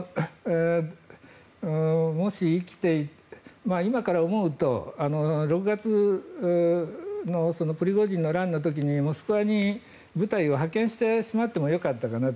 もし生きて、今から思うと６月のプリゴジンの乱の時にモスクワに部隊を派遣してしまってもよかったかなと。